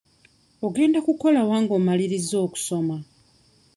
Ogenda kukolera wa nga omalirizza okusoma?